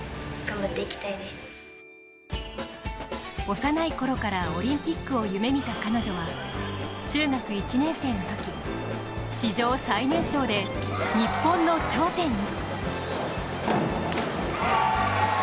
幼いころからオリンピックを夢見た彼女は中学１年生のとき、史上最年少で日本の頂点に。